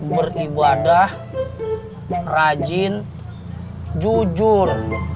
beribadah rajin jujur